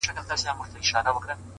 o د خپل ښايسته خيال پر زرينه پاڼه،